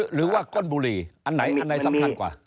หรือว่าก้นบุหรี่อันไหนอันไหนสำคัญกว่า